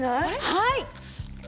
はい！